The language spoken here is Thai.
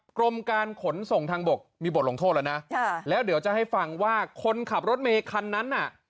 กรมการขนส่งทางบกมีบทลงโทษแล้วนะแล้วเดี๋ยวจะให้ฟังว่าคนขับรถเมย์คันนั้นน่ะ